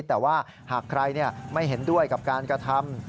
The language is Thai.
แต่ว่าหากใครไม่เห็นด้วยกับการกระทำ